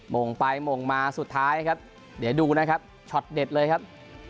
มงไปมงมาสุดท้ายครับเดี๋ยวดูนะครับช็อตเด็ดเลยครับ